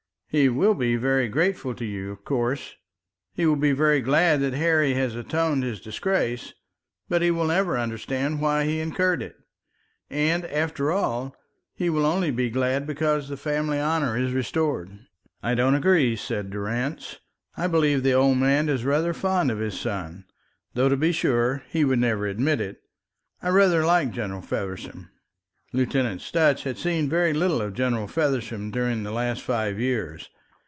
He will be very grateful to you, of course. He will be very glad that Harry has atoned his disgrace, but he will never understand why he incurred it. And, after all, he will only be glad because the family honour is restored." "I don't agree," said Durrance. "I believe the old man is rather fond of his son, though to be sure he would never admit it. I rather like General Feversham." Lieutenant Sutch had seen very little of General Feversham during the last five years.